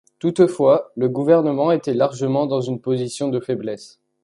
Toutefois, le Gouvernement était largement dans une position de faiblesse.